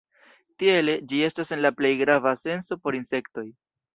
Tiele, ĝi estas la plej grava senso por insektoj.